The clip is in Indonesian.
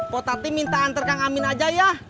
bu tati minta antar kang amin aja ya